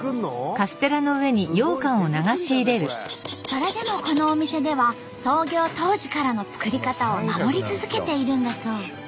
それでもこのお店では創業当時からの作り方を守り続けているんだそう。